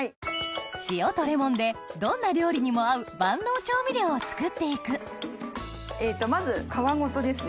塩とレモンでどんな料理にも合う万能調味料を作って行くまず皮ごとですね。